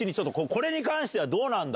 これに関してはどうなんだ？